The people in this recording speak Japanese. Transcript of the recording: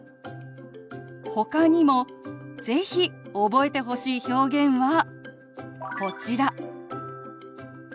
ほかにも是非覚えてほしい表現はこちら。